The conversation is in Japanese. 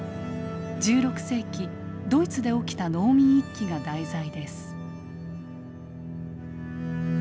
１６世紀ドイツで起きた農民一揆が題材です。